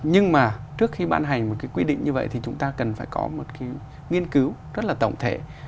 nhưng mà trước khi ban hành một cái quy định như vậy thì chúng ta cần phải có một cái nghiên cứu rất là tổng thể